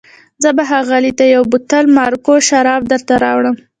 زه به ښاغلي ته یو بوتل مارګو شربت درته راوړم.